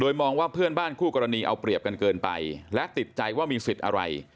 มองว่าเพื่อนบ้านคู่กรณีเอาเปรียบกันเกินไปและติดใจว่ามีสิทธิ์อะไร